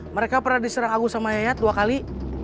mereka pernah diserang agus sama yayat dua kali